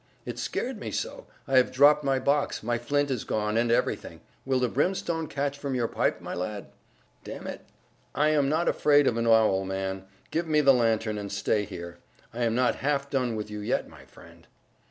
It scared me so, I have dropped my box; my flint is gone, and everything. Will the brimstone catch from your pipe, my lad?" "My pipe is out, Phelps, ever so long. D n it, I am not afraid of an owl, man. Give me the lantern, and stay here. I'm not half done with you yet, my friend."